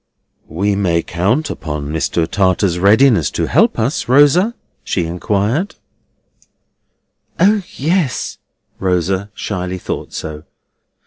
"We may count on Mr. Tartar's readiness to help us, Rosa?" she inquired. O yes! Rosa shyly thought so.